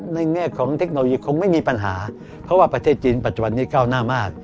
แง่ของเทคโนโลยีคงไม่มีปัญหาเพราะว่าประเทศจีนปัจจุบันนี้ก้าวหน้ามาก